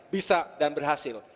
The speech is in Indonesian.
bisa dan berhasil